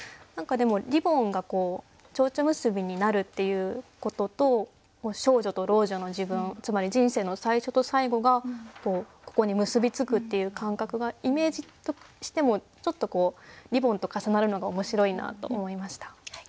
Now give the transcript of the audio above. でもリボンがこう蝶々結びになるっていうことと少女と老女の自分つまり人生の最初と最後がここに結び付くっていう感覚がイメージとしてもちょっとこうリボンと重なるのが面白いなと思いました。